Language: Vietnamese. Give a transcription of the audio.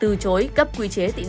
từ chối cấp quy chế tị nạn